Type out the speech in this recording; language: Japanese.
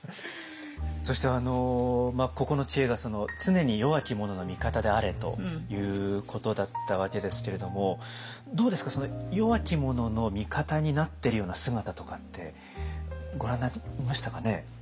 そしてここの知恵が「常に弱き者の味方であれ！」ということだったわけですけれどもどうですか弱き者の味方になってるような姿とかってご覧になりましたかね？